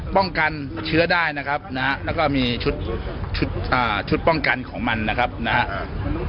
ป้องกันเชื้อได้นะครับนะฮะแล้วก็มีชุดชุดอ่าชุดป้องกันของมันนะครับนะฮะ